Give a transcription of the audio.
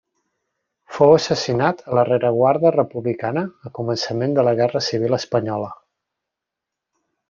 Fou assassinat a la rereguarda republicana a començament de la Guerra Civil espanyola.